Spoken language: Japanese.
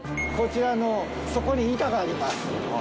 こちらの、そこに板があります。